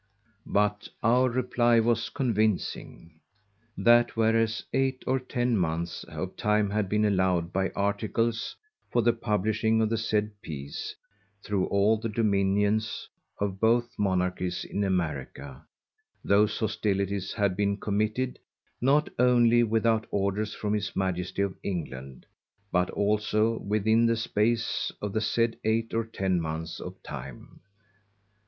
_But our reply was convincing, That whereas eight or ten months of time had been allowed by Articles for the publishing of the said Peace through all the Dominions of both Monarchies in_ America, those Hostilities had been committed, not onely without orders from his Majesty of England, _but also within the space of the said eight or ten months of time.